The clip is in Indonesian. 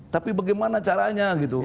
tapi bagaimana caranya gitu